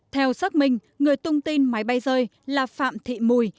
theo xác minh người tung tin máy bay rơi là phạm thị mùi